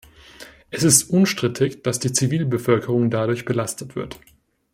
Es ist unstrittig, dass die Zivilbevölkerung dadurch belastet wird.